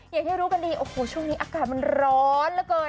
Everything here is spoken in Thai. อย่างที่รู้กันดีโอ้โหช่วงนี้อากาศมันร้อนเหลือเกิน